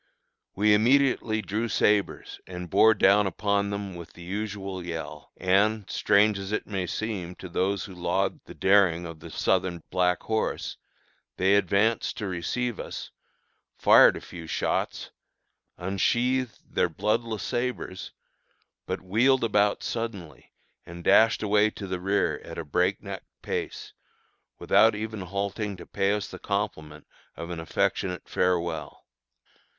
We immediately drew sabres and bore down upon them with the usual yell; and, strange as it may seem to those who laud the daring of the Southern Black Horse, they advanced to receive us, fired a few shots, unsheathed their bloodless sabres, but wheeled about suddenly and dashed away to the rear at a breakneck pace, without even halting to pay us the compliment of an affectionate farewell.